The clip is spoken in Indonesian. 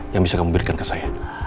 yang bisa kamu berikan ke saya